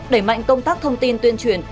đẩy mạnh công tác thông tin tuyên truyền